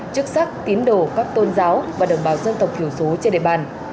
chức sắc tiến đổ các tôn giáo và đồng bào dân tộc thiểu số trên địa bàn